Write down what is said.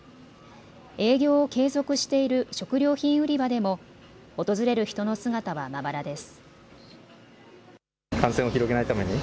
営業を継続している食料品売り場でも訪れる人の姿はまばらです。